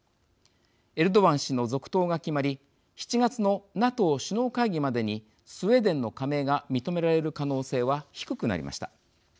エルドアン氏の続投が決まり７月のＮＡＴＯ首脳会議までにスウェーデンの加盟が認められる可能性は低くなりました。